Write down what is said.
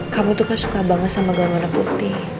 kamu tuh kan suka banget sama gaun warna putih